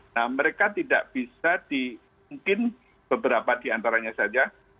nah mereka tidak bisa di mungkin beberapa diantaranya saja